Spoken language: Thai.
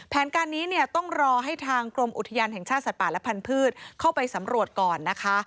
แผนการนี้เนี่ยต้องรอให้ทางกรมอุทยานแห่งชาติสัตว์ป่าและพันธุ์เข้าไปสำรวจก่อนนะคะ